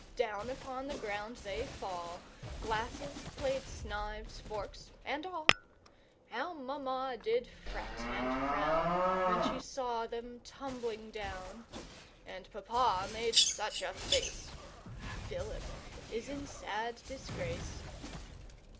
Down upon the ground they fall, Glasses, plates, knives, forks, and all. How Mamma did fret and frown, When she saw them tumbling down! And Papa made such a face! Philip is in sad disgrace.